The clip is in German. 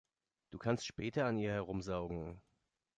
Du kannst später an ihr herumsaugen.